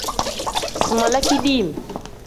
Si mala kidim.